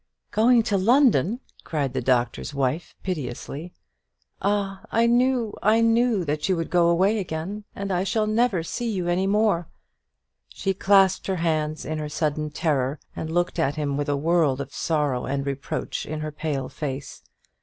"Going to London!" cried the Doctor's Wife, piteously; "ah, I knew, I knew that you would go away again, and I shall never see you any more." She clasped her hands in her sudden terror, and looked at him with a world of sorrow and reproach in her pale face.